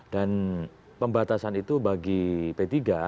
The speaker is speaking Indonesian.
dan pembatasan itu bagi p tiga